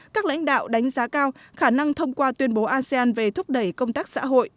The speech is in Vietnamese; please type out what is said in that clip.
các lãnh đạo đánh giá cao khả năng thông qua tuyên bố asean về thúc đẩy công tác xã hội